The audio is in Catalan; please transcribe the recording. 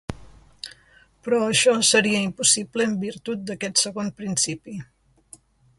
Però això seria impossible en virtut d'aquest segon principi.